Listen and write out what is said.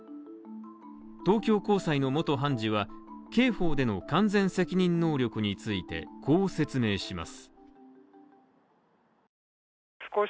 東京高裁の元判事は刑法での完全責任能力についてこう説明します。